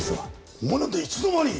お前なんでいつの間に！？